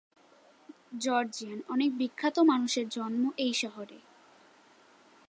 Georgian অনেক বিখ্যাত মানুষের জন্ম এই শহরে।